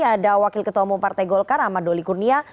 ada wakil ketua umum partai golkar ahmad doli kurnia